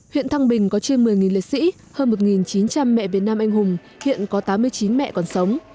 huyện thăng bình có trên một mươi liệt sĩ hơn một chín trăm linh mẹ việt nam anh hùng hiện có tám mươi chín mẹ còn sống